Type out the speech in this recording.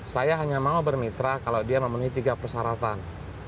saya hanya mau bermitra kalau dia memenuhi tiga persyaratan